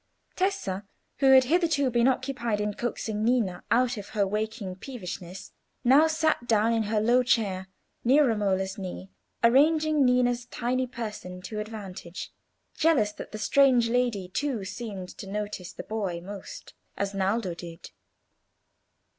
Tessa, who had hitherto been occupied in coaxing Ninna out of her waking peevishness, now sat down in her low chair, near Romola's knee, arranging Ninna's tiny person to advantage, jealous that the strange lady too seemed to notice the boy most, as Naldo did.